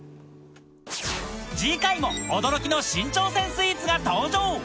次回も驚きの新挑戦スイーツが登場